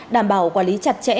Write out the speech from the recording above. đảm bảo quản lý chặt chẽ